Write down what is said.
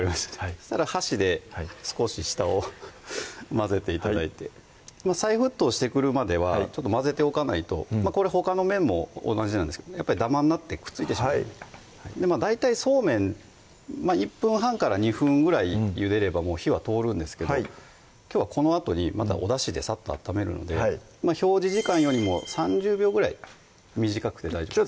そしたら箸で少し下を混ぜて頂いて再沸騰してくるまでは混ぜておかないとこれほかの麺も同じなんですけどダマになってくっついてしまう大体そうめん１分半から２分ぐらいゆでればもう火は通るんですけどきょうはこのあとにまたおだしでさっと温めるので表示時間よりも３０秒ぐらい短くて大丈夫です